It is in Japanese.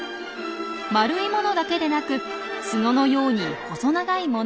丸いものだけでなくツノのように細長いものも。